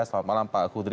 selamat malam pak hudri